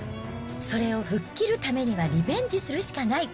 それを吹っ切るためにはリベンジするしかない。